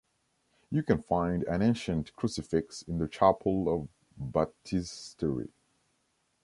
You can find an ancient crucifix in the chapel of baptistery.